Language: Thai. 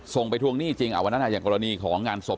ไปทวงหนี้จริงวันนั้นอย่างกรณีของงานศพ